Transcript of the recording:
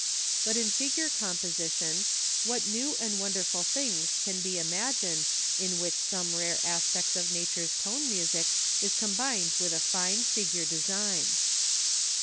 But in figure composition, what new and wonderful things can be imagined in which some rare aspect of nature's tone music is combined with a fine figure design.